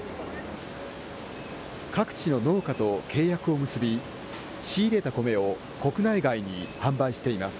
各地の農家と契約を結び、仕入れた米を国内外に販売しています。